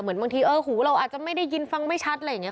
บางทีเออหูเราอาจจะไม่ได้ยินฟังไม่ชัดอะไรอย่างนี้